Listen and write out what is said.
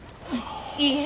いいえ